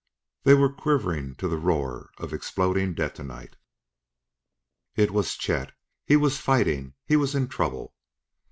They were quivering to the roar of exploding detonite! It was Chet! He was fighting, he was in trouble!